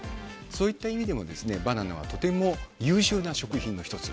そういった意味でもバナナはとても優秀な食品の１つ。